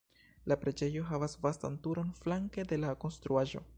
La preĝejo havas vastan turon flanke de la konstruaĵo.